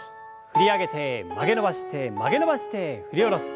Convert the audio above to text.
振り上げて曲げ伸ばして曲げ伸ばして振り下ろす。